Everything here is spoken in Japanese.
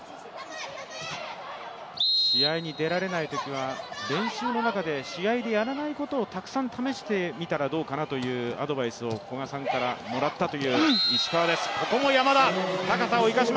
試合に出られないときは練習の中で試合でやらないことをたくさん試してみたらどうかなというアドバイスを古賀さんからもらったという石川です。